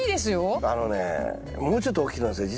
あのねもうちょっと大きくなるんですよ。